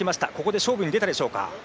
勝負に出たでしょうか。